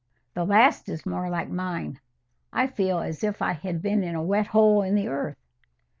"The last is more like mine. I feel as if I had been in a wet hole in the earth."